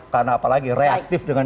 karena apalagi reaktif dengan